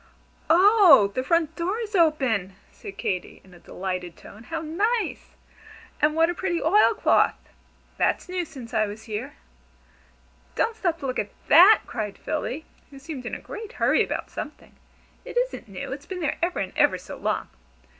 "Oh, the front door is open!" said Katy, in a delighted tone. "How nice! And what a pretty oil cloth. That's new since I was here." "Don't stop to look at that!" cried Philly, who seemed in a great hurry about something. "It isn't new. It's been there ever and ever so long!